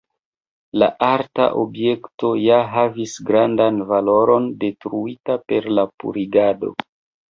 La arta objekto ja havis grandan valoron, detruita per la purigado.